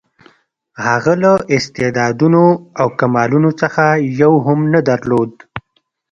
هغه له استعدادونو او کمالونو څخه یو هم نه درلود.